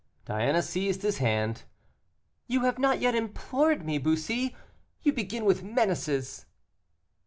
Diana seized his hand. "You have not yet implored me, Bussy; you begin with menaces."